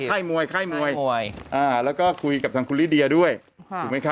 มวยค่ายมวยแล้วก็คุยกับทางคุณลิเดียด้วยถูกไหมคะ